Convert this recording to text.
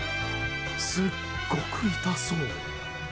すっごく痛そう。